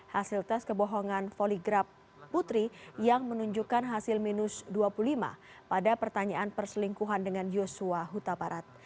hasil tes kebohongan poligraf putri yang menunjukkan hasil minus dua puluh lima pada pertanyaan perselingkuhan dengan yosua huta barat